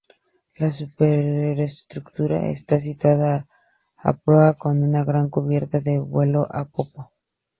La superestructura está situada a proa con una gran cubierta de vuelo a popa.